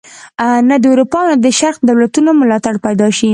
نه د اروپا او نه د شرق دولتونو ملاتړ پیدا شي.